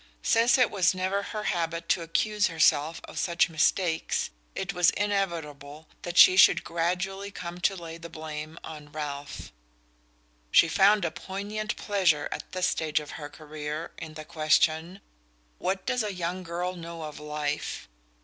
Since it was never her habit to accuse herself of such mistakes it was inevitable that she should gradually come to lay the blame on Ralph. She found a poignant pleasure, at this stage of her career, in the question: "What does a young girl know of life?"